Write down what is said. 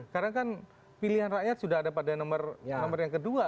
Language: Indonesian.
karena kan pilihan rakyat sudah ada pada nomor yang kedua